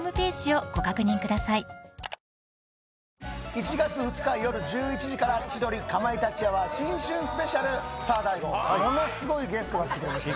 １月２日夜１１時から『千鳥かまいたちアワー新春スペシャル』さぁ大悟ものすごいゲストが来てくれました。